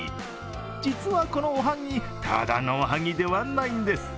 実はこのおはぎ、ただのおはぎではないんです。